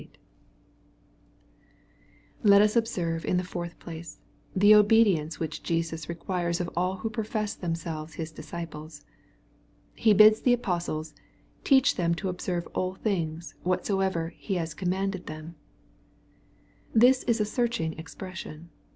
411 Let US observe, in the fourth place, the obedience which Jesus requires of all who profess themselves His disciples. He bids the apostles " teach them to observe all things, whatsoever He'has commanded them/' This is a searching expression.